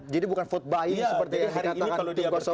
jadi bukan vote buy seperti yang dikatakan tim kuasa hukum